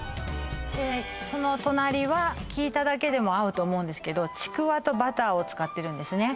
その隣は聞いただけでも合うと思うんですけどちくわとバターを使ってるんですね